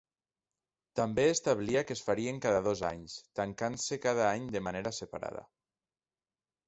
També establia que es farien cada dos anys, tancant-se cada any de manera separada.